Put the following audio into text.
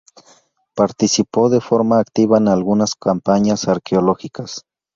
Participó de forma activa en algunas campañas arqueológicas.